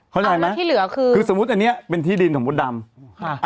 เข้าใจไหมที่เหลือคือคือสมมุติอันเนี้ยเป็นที่ดินของมดดำค่ะ